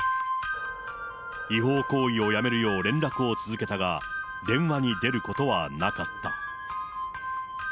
違法行為をやめるよう連絡を続けたが、電話に出ることはなかった。